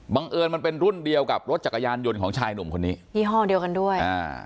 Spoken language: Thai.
เอิญมันเป็นรุ่นเดียวกับรถจักรยานยนต์ของชายหนุ่มคนนี้ยี่ห้อเดียวกันด้วยอ่า